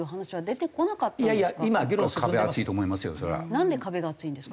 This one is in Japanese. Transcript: なんで壁が厚いんですか？